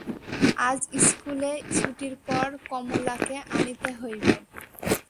আজ ইস্কুলে ছুটির পর কমলাকে আনিতে হইবে।